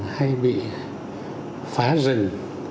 hay bị phá rừng